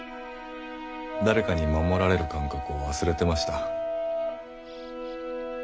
誰かに守られる感覚を忘れてました。